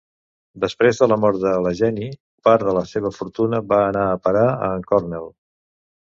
Després de la mort de la Jennie, part de la seva fortuna va anar a parar a en Cornell.